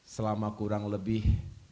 selama kurang lebih